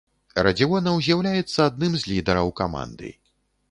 Радзівонаў з'яўляецца адным з лідараў каманды.